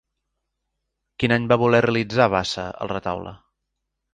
Quin any va voler realitzar Bassa el retaule?